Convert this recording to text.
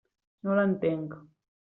No l'entenc.